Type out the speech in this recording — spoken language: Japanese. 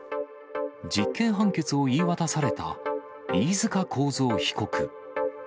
実刑判決を言い渡された飯塚幸三被告。